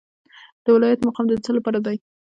د ولایت مقام د څه لپاره دی؟